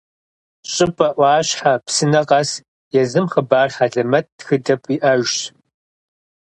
Щӏыпӏэ, ӏуащхьэ, псынэ къэс езым и хъыбар хьэлэмэт, тхыдэ иӏэжщ.